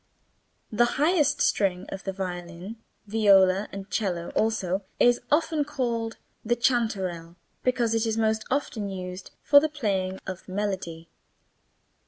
The highest string of the violin (viola and cello also) is often called the chanterelle because it is most often used for playing the melody.